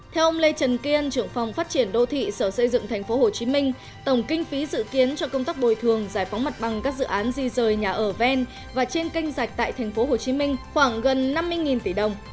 theo ông lê trần kiên trưởng phòng phát triển đô thị sở xây dựng tp hcm tổng kinh phí dự kiến cho công tác bồi thường giải phóng mặt bằng các dự án di rời nhà ở ven và trên kênh dạch tại tp hcm khoảng gần năm mươi tỷ đồng